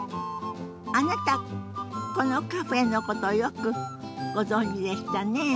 あなたこのカフェのことよくご存じでしたね。